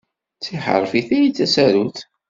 D tiḥḥerfit ay d tasarut.